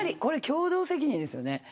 共同責任ですよね。